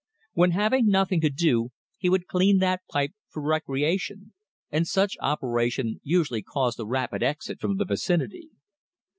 When having nothing to do he would clean that pipe for recreation, and such operation usually caused a rapid exit from the vicinity.